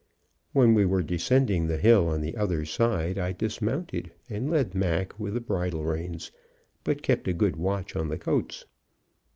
When we were descending the hill on the other side, I dismounted and led Mac with the bridle reins, but kept a good watch on the coats.